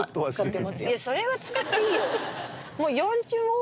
それは使っていいよ。